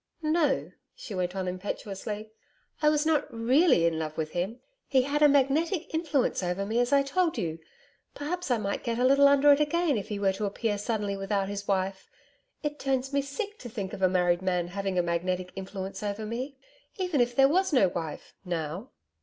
No ' she went on impetuously, 'I was not REALLY in love with him. He had a magnetic influence over me as I told you. Perhaps I might get a little under it again if he were to appear suddenly without his wife it turns me sick to think of a married man having a magnetic influence over me.... Even if there was no wife now.